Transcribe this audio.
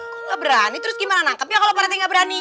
kok gak berani terus gimana nangkap ya kalau pak rete gak berani